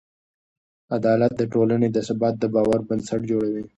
عدالت د ټولنې د ثبات او باور بنسټ جوړوي.